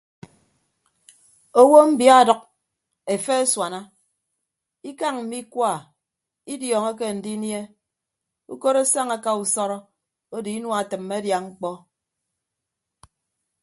Owo mbia ọdʌk efe asuana ikañ mme ikua idiọọñọke andinie ukot asaña aka usọrọ odo inua atịmme adia ñkpọ.